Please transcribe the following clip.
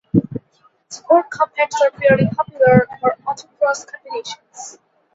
Sport compacts are fairly popular for autocross competitions.